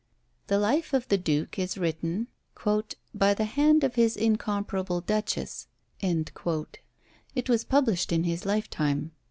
The life of the duke is written "by the hand of his incomparable duchess." It was published in his lifetime.